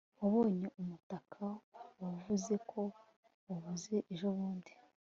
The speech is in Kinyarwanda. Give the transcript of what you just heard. wabonye umutaka wavuze ko wabuze ejobundi